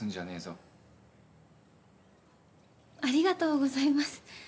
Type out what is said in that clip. ありがとうございます。